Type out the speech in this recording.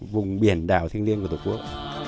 vùng biển đảo thiên liên của tổ quốc